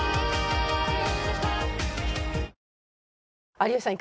有吉さん